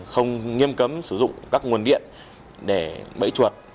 không nghiêm cấm sử dụng các nguồn điện để bẫy chuột